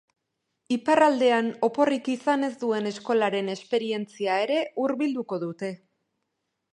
Iparraldean oporrik izan ez duen eskolaren esperientzia ere hurbilduko dute.